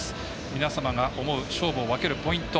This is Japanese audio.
皆様が思う勝負を分けるポイント。